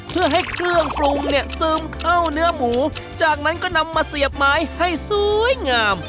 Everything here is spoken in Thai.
เพื่อให้เครื่องปรุงเนี่ยซึมเข้าเนื้อหมูจากนั้นก็นำมาเสียบไม้ให้สวยงาม